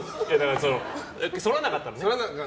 そらなかったらね。